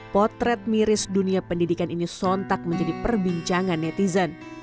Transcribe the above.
potret miris dunia pendidikan ini sontak menjadi perbincangan netizen